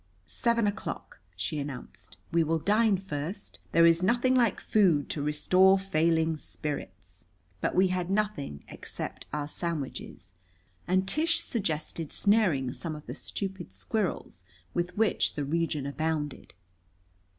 "Seven o'clock," she announced. "We will dine first. There is nothing like food to restore failing spirits." But we had nothing except our sandwiches, and Tish suggested snaring some of the stupid squirrels with which the region abounded.